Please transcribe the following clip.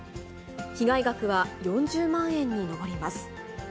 被害額は４０万円に上ります。